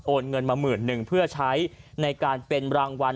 เงินมาหมื่นหนึ่งเพื่อใช้ในการเป็นรางวัล